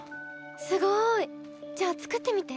すごい。じゃあ作ってみて？